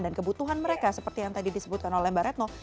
dan kebutuhan mereka seperti yang tadi disebutkan oleh mbak retno